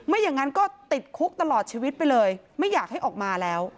อย่างนั้นก็ติดคุกตลอดชีวิตไปเลยไม่อยากให้ออกมาแล้ว